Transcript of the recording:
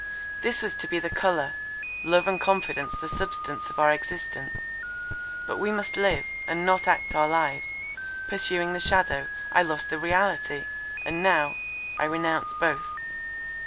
This was to be the colour; love and confidence the substance of our existence. But we must live, and not act our lives; pursuing the shadow, I lost the reality—now I renounce both.